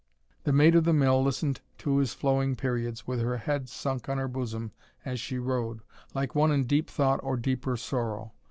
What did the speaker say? The Maid of the Mill listened to his flowing periods with her head sunk on her bosom as she rode, like one in deep thought or deeper sorrow.